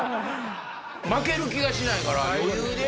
負ける気がしないから余裕で。